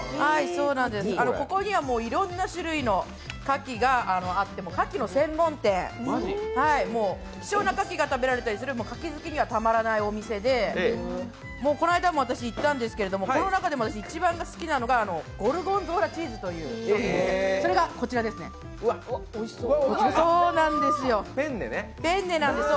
ここにはいろんな種類のかきがあって、かきの専門店、希少なかきが食べられたりするかき好きにはたまらないお店でこの間も私行ったんですけれども、この中でも一番好きなのがゴルゴンゾーラチーズという商品こちらですね、ペンネなんです。